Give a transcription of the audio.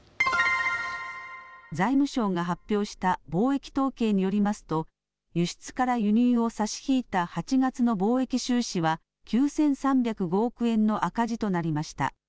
財務省が発表した貿易統計によりますと輸出から輸入を差し引いた８月の貿易収支は９３０５億円の赤字となりました。